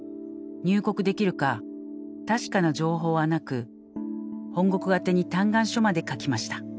入国できるか確かな情報はなく本国宛てに嘆願書まで書きました。